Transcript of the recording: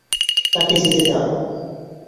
তাকে যেতে দাও।